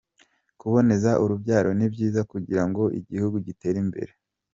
kuboneza urubyaro nibyiza kugirango igihugu gitere imbere